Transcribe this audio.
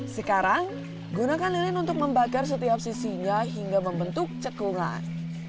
sekarang gunakan lilin untuk membakar setiap sisinya hingga membentuk cekungan